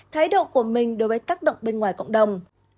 thái độ của mình đối với tác động bên ngoài cộng đồng